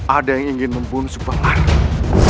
ada yang ingin membunuh subang larang